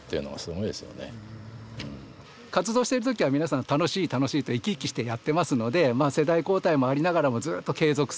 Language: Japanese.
活動してるときは皆さん楽しい楽しいと生き生きしてやってますので世代交代もありながらもずっと継続するように。